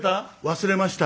「忘れました」。